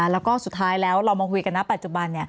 แล้วก็สุดท้ายแล้วเรามาคุยกันนะปัจจุบัน